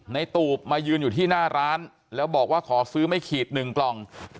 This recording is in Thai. ตูบมายืนอยู่ที่หน้าร้านแล้วบอกว่าขอซื้อไม่ขีด๑กล่อง